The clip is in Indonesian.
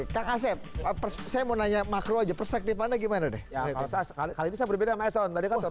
kang asyip saya mau nanya makro aja perspektif anda gimana deh